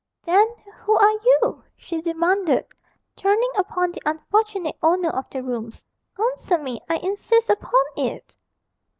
'Then who are you?' she demanded, turning upon the unfortunate owner of the rooms; 'answer me, I insist upon it!'